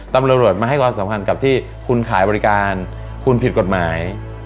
ตำรวจมาให้ความสำคัญกับที่คุณขายบริการคุณผิดกฎหมาย